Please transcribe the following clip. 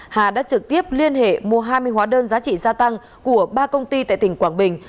hà đã trực tiếp liên hệ mua hai mươi hóa đơn giá trị gia tăng của ba công ty tại tỉnh quảng bình